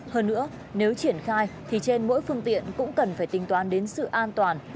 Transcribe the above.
hơn nữa nếu triển khai thì trên mỗi phương tiện cũng cần phải tính toán đến sự an toàn